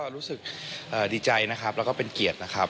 รู้สึกดีใจแล้วก็เป็นเกลียดนะครับ